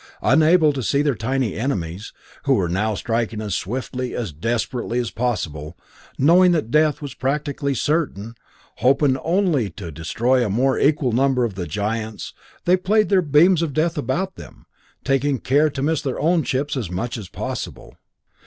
Unable to see their tiny enemies, who now were striking as swiftly, as desperately as possible, knowing that death was practically certain, hoping only to destroy a more equal number of the giants, they played their beams of death about them, taking care to miss their own ships as much as possible.